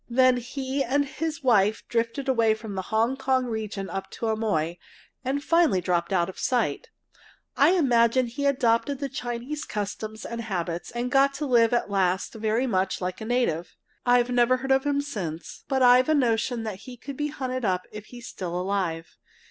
Then he and his wife drifted away from the Hong Kong region up to Amoy, and finally dropped out of sight. I imagine he adopted the Chinese customs and habits and got to live at last very much like a native. I've never heard of him since, but I've a notion he could be hunted up if he's still alive.